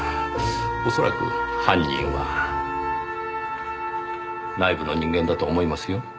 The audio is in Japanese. おそらく犯人は内部の人間だと思いますよ。